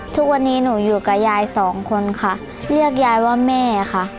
ทุกวันนี้หนูอยู่กับยายสองคนค่ะเรียกยายว่าแม่ค่ะ